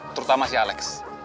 terutama si alex